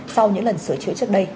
sau những lần sửa chữa trước đây